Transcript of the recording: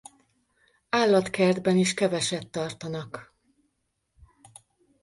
Állatkertben is keveset tartanak.